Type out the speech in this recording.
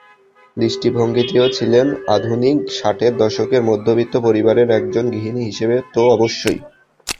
দৃষ্টিভঙ্গিতেও ছিলেন আধুনিক, ষাটের দশকের মধ্যবিত্ত পরিবারের একজন গৃহিণী হিসেবে তো অবশ্যই।